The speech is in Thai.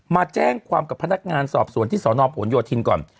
มาแจ้งความกับพนักงานสอบสวนที่สนผลโยธินก่อน